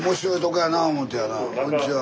こんにちは。